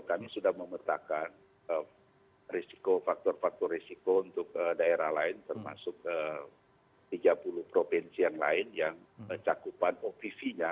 kami sudah memetakan risiko faktor faktor risiko untuk daerah lain termasuk tiga puluh provinsi yang lain yang cakupan opv nya